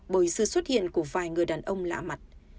bởi sự xuất hiện của vài người đàn ông lạ mặt